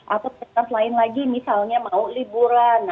atau prioritas lain lagi misalnya mau liburan